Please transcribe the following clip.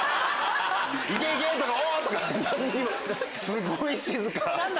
すごい静か。